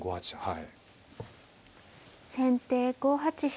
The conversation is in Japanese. はい。